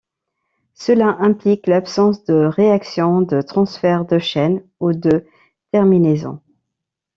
Cela implique l'absence de réactions de transfert de chaîne ou de terminaison.